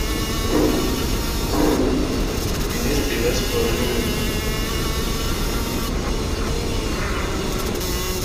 Minisitiri wa Siporo n’Umuco